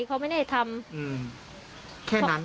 เขาไม่ได้ทำ